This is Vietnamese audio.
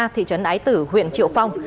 thị trấn ái tử huyện triệu phong